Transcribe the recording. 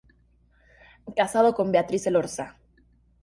Casado con Beatriz Elorza.